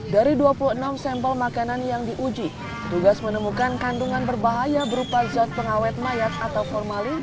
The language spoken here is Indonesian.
dari dua puluh enam sampel makanan yang diuji tugas menemukan kandungan berbahaya berupa zat pengawet mayat atau formalin